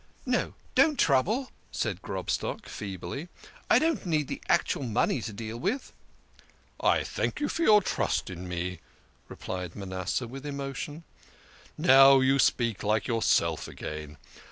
" No, don't trouble," said Grobstock feebly. " I don't need the actual money to deal with." " I thank you for your trust in me," re plied Manasseh with emotion. " Now you speak like yourself again.